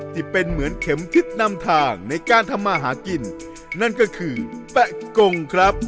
ที่เป็นเหมือนเข็มทิศนำทางในการทำมาหากินนั่นก็คือแปะกงครับ